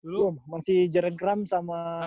belum masih jaren kram sama